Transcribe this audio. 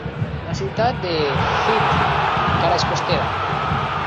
La ciutat de Hythe encara és costera.